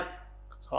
kalau ada oknum oknum